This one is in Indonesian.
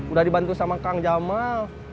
udah dibantu sama kang jamal